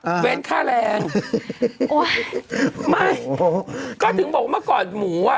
อ่าเว้นค่าแรงโอ๊ยไม่ก็ถึงบอกมาก่อนหมู่อ่ะ